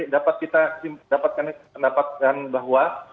dapat kita dapatkan pendapatan bahwa